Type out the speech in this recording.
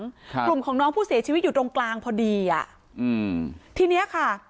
กลุ่มของน้องผู้เสียชีวิตอยู่ตรงกลางพอดีอ่ะอืมทีเนี้ยค่ะ